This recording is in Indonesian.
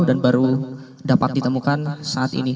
dan baru dapat ditemukan saat ini